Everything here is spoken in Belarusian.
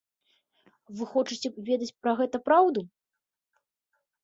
Вы хочаце ведаць пра гэта праўду?